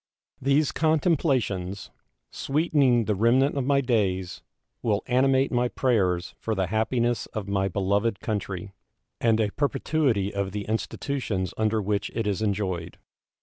These contemplations, sweetening the remnant of my days, will animate my prayers for the happiness of my beloved country, and a perpetuity of the institutions under which it is enjoyed.